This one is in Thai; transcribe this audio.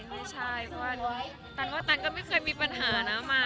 ไม่ใช่เพราะว่าตันว่าตันก็ไม่เคยมีปัญหานะมา